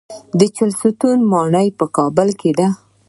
د چهلستون ماڼۍ په کابل کې ده